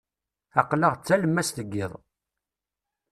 Aql-aɣ d talemmast n yiḍ.